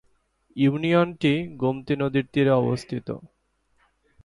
ইউনিয়নটি গোমতী নদীর তীরে অবস্থিত।